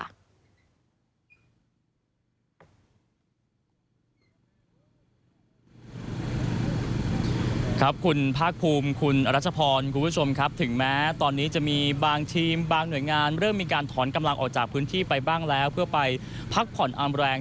ครับคุณภาคภูมิคุณรัชพรคุณผู้ชมครับถึงแม้ตอนนี้จะมีบางทีมบางหน่วยงานเริ่มมีการถอนกำลังออกจากพื้นที่ไปบ้างแล้วเพื่อไปพักผ่อนอามแรง